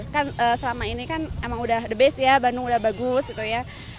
kan selama ini kan emang udah the best ya bandung udah bagus gitu ya